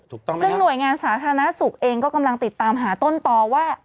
ถูกต้องซึ่งหน่วยงานสาธารณสุขเองก็กำลังติดตามหาต้นต่อว่า